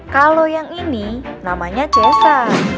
kalau yang ini namanya cesa